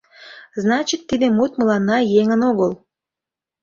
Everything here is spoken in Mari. Значит, тиде мут мыланна еҥын огыл.